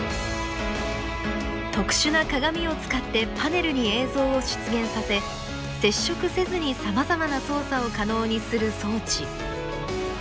特殊な鏡を使ってパネルに映像を出現させ接触せずにさまざまな操作を可能にする装置。